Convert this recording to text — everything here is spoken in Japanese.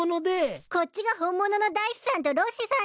こっちが本物のダイスさんとロッシさんでぃす。